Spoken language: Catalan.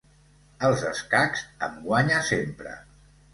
Als escacs, em guanya sempre.